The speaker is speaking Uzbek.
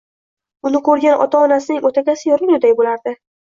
uni ko‘rgan ota-onasining o‘takasi yorilguday bo‘lardi.